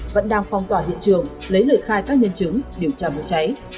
vẫn đang phong tỏa hiện trường lấy lời khai các nhân chứng điều tra vụ cháy